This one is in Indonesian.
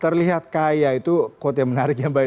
terlihat kaya itu quote yang menarik ya mbak